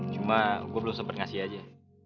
cuma gue belum sempat ngasih aja